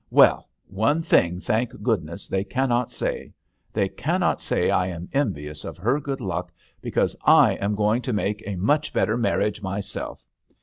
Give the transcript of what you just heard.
Well, one thing, thank goodness, they cannot say : they cannot say I am envious of her good luck, because I am going to make a much better marriage myself.